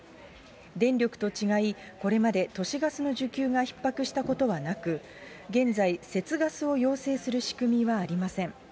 電力と違い、これまで都市ガスの需給がひっ迫したことはなく、現在、節ガスを要請する仕組みはありません。